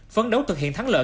phấn đấu thực hiện thắng lợi